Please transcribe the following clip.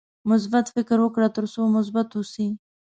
مثبت فکر وکړه ترڅو مثبت اوسې.